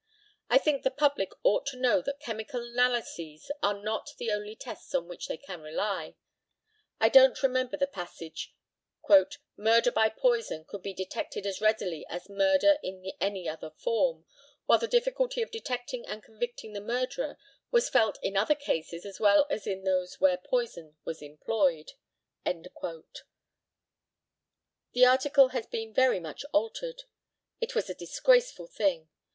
I think the public ought to know that chemical analyses are not the only tests on which they can rely. I don't remember the passage "Murder by poison could be detected as readily as murder in any other form, while the difficulty of detecting and convicting the murderer was felt in other cases as well as in those where poison was employed." The article has been very much altered. It was a disgraceful thing.